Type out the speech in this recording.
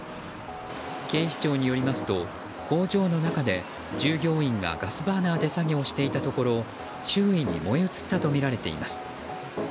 警視庁によりますと工場の中で従業員がガスバーナーで作業していたところ、周囲に燃え移ったとみられています。